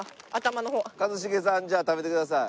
一茂さんじゃあ食べてください。